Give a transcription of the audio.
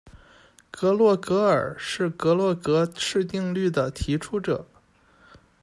格洛格尔是格洛格氏定律的提出者。